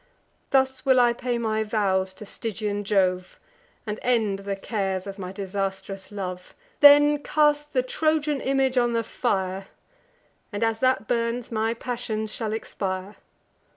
Thus will I pay my vows to Stygian Jove, And end the cares of my disastrous love; Then cast the Trojan image on the fire, And, as that burns, my passions shall expire."